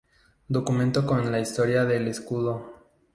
Documento con la historia del escudo